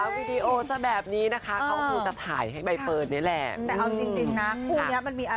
วิดีโอแบบนี้นะคะเขาควรจะถ่ายให้ใบเฟิร์นได้แหละ